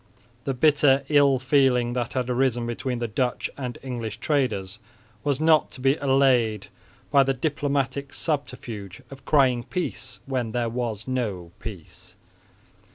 The bitter ill feeling that had arisen between the Dutch and English traders was not to be allayed by the diplomatic subterfuge of crying peace when there was no peace.